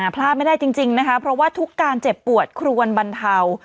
พลาดไม่ได้จริงนะคะเพราะว่าทุกการเจ็บปวดควรบรรเทา